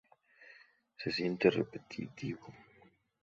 Se siente repetitivo.